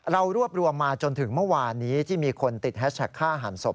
เรารวบรวมมาจนถึงเมื่อวานนี้ที่มีคนติดแฮชแท็กฆ่าหันศพ